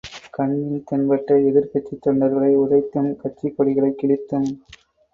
கண்ணில் தென்பட்ட எதிர்க்கட்சித் தொண்டர்களை உதைத்தும், கட்சிக்கொடிகளைக் கிழித்தும்.